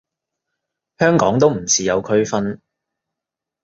香港都唔似有區分